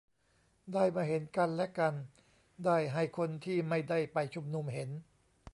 ได้มาเห็นกันและกัน ได้ให้คนที่ไม่ได้ไปชุมนุมเห็น